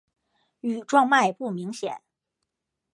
羽状脉不明显。